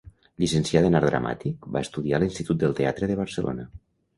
Llicenciada en Art Dramàtic, va estudiar a l'Institut del Teatre de Barcelona.